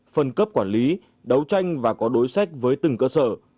phân cấp quản lý đấu tranh và có đối sách với từng cơ sở